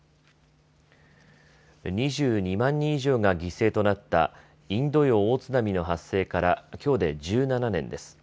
２２万人以上が犠牲となったインド洋大津波の発生からきょうで１７年です。